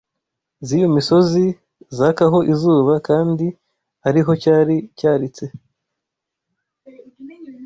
ziyo misozi zakaho izuba kandi ari ho cyari cyaritse